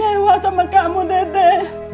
mak kecewa sama kamu dede